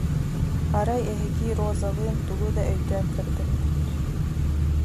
Арай эһиги Розалыын тугу да өйдөөн көрбөккүт